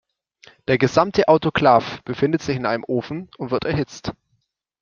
Der gesamte Autoklav befindet sich in einem Ofen und wird erhitzt.